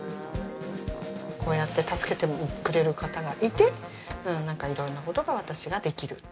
こうやって助けてくれる方がいてなんかいろんな事が私はできる。